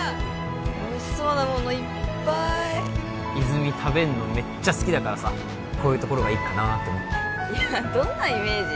おいしそうなものいっぱい泉食べんのめっちゃ好きだからさこういうところがいいかなと思っていやどんなイメージ？